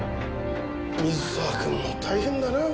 水沢君も大変だなぁ。